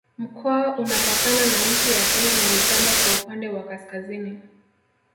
Mkoa unapakana na Nchi ya Kenya na Uganda kwa upande wa Kaskazini